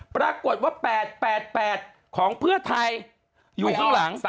ปรากฏว่า๘๘ของเพื่อไทยอยู่ข้างหลัง